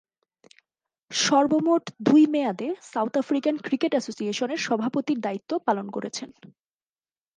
সর্বমোট দুই মেয়াদে সাউথ আফ্রিকান ক্রিকেট অ্যাসোসিয়েশনের সভাপতির দায়িত্ব পালন করেছেন।